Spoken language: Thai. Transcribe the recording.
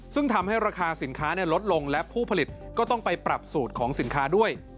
ซึ่งทำให้ราคาสินค้าลดลงและผู้ผลิตก็ต้องไปปรับสูตรของสินค้าด้วย